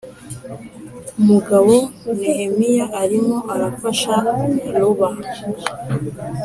Mugabo nehemiya arimo arafasha ruba